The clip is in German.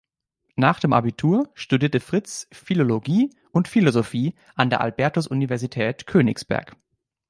Nach dem Abitur studierte Fritz Philologie und Philosophie an der Albertus-Universität Königsberg.